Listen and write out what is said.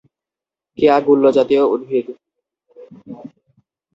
কেয়া গুল্মজাতীয় উদ্ভিদ।